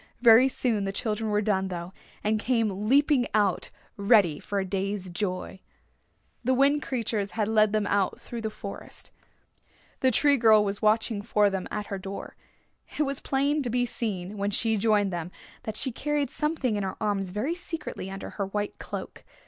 Very soon the children were done, though, and came leaping out ready for a day's joy. The Wind Creatures led them then out through the forest. The Tree Girl was watching for them at her door. It was plain to be seen, when she joined them, that she carried something in her arms very secretly under her white cloak.